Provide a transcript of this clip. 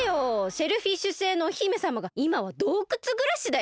シェルフィッシュ星のお姫さまがいまはどうくつぐらしだよ？